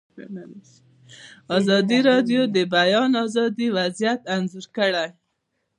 ازادي راډیو د د بیان آزادي وضعیت انځور کړی.